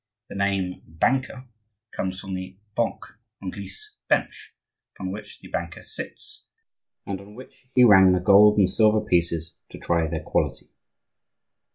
The name "banker" comes from the banc (Anglice, bench) upon which the banker sat, and on which he rang the gold and silver pieces to try their quality.